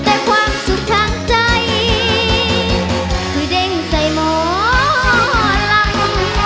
แต่ความสุขทางใจคือเด้งใส่หมอลำ